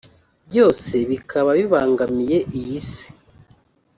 byose bikaba bibangamiye iyi si